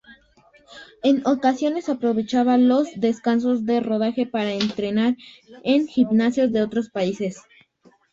En ocasiones aprovechaba los descansos de rodaje para entrenar en gimnasios de otros países.